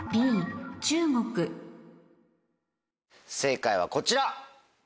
正解はこちら。